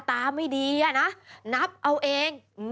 ตาไม่ดีอะนะนับเอาเอง